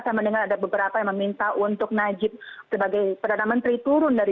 saya mendengar ada beberapa yang meminta untuk najib sebagai perdana menteri turun dari